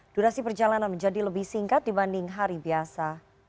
durasi perjalanan menjadi lebih singkat dibanding hari biasa